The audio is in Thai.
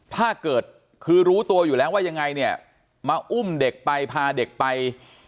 ถ้าเกิดคือรู้ตัวอยู่แล้วว่ายังไงเนี่ยมาอุ้มเด็กไปพาเด็กไป